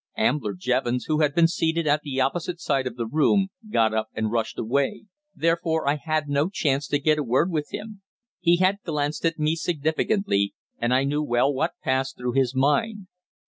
Ambler Jevons, who had been seated at the opposite side of the room, got up and rushed away; therefore I had no chance to get a word with him. He had glanced at me significantly, and I knew well what passed through his mind.